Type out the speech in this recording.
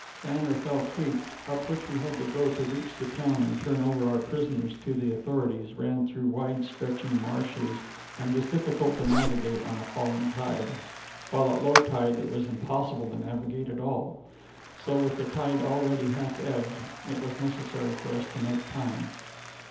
San Rafael Creek, up which we had to go to reach the town and turn over our prisoners to the authorities, ran through wide stretching marshes, and was difficult to navigate on a falling tide, while at low tide it was impossible to navigate at all. So, with the tide already half ebbed, it was necessary for us to make time.